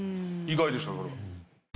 意外でした。